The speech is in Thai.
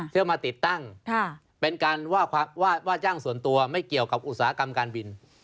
เพื่อมาติดตั้งเป็นการว่าจ้างส่วนตัวไม่เกี่ยวกับอุตสาหกรรมการบิน